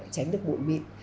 tránh được bụi mịn